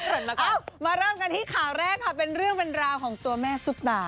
ขอเผินมาก่อนเอ้ามาเริ่มกันที่ข่าวแรกค่ะเป็นเรื่องบรรดาของตัวแม่ซุปตา